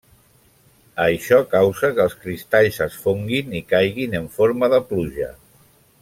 Això causa que els cristalls es fonguin i caiguin en forma de pluja.